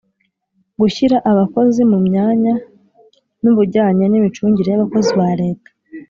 Gushyira abakozi mu myanya n ubujyanye n imicungire y abakozi ba Leta